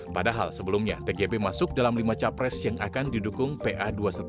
padahal sebelumnya tgb masuk dalam lima capres yang akan didukung pa dua ratus dua belas